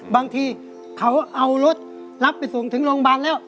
บางทีเขาเอารถรับไปส่งถึงโรงพยาบาลแล้ว